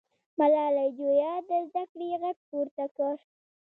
ملالۍ جویا د زده کړې غږ پورته کړ.